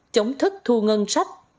chống thức thu ngân sách